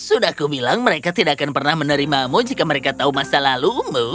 sudah aku bilang mereka tidak akan pernah menerimamu jika mereka tahu masa lalumu